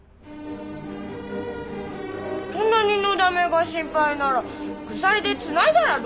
そんなにのだめが心配なら鎖でつないだらどうですか！？